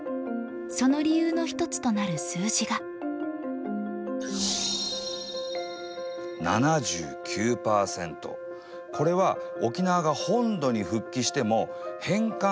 その理由の一つとなる数字がこれは沖縄が本土に本土復帰直前の沖縄。